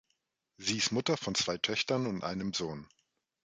Sie ist Mutter von zwei Töchtern und einem Sohn.